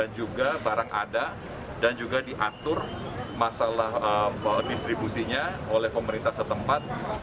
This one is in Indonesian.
juga barang ada dan juga diatur masalah distribusinya oleh pemerintah setempat